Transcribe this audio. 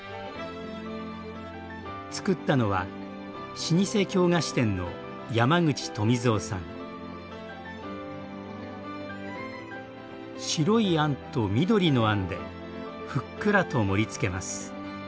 つくったのは老舗京菓子店の白いあんと緑のあんでふっくらと盛りつけます。